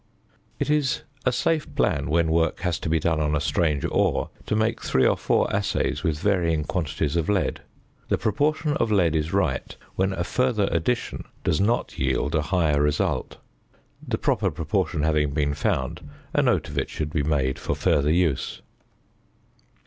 It is a safe plan when work has to be done on a strange ore, to make three or four assays with varying quantities of lead. The proportion of lead is right when a further addition does not yield a higher result. The proper proportion having been found, a note of it should be made for future use.